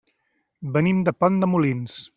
Venim de Pont de Molins.